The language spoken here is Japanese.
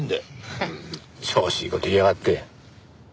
へっ調子いい事言いやがって。